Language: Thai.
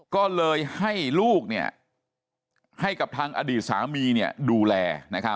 ก็เลยให้ลูกให้กับทางอดีตสามีดูแล